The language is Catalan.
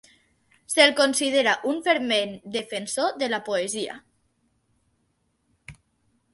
Se'l considera un fervent defensor de la poesia.